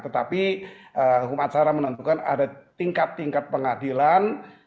tetapi hukuman sarah menentukan ada tingkat tingkat pengadilan